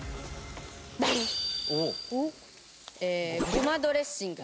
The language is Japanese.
ごまドレッシング。